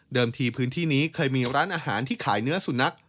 ทีพื้นที่นี้เคยมีร้านอาหารที่ขายเนื้อสุนัข